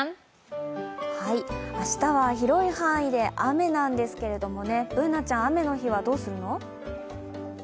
明日は広い範囲で雨なんですけれども、Ｂｏｏｎａちゃん、雨の日はどうするの？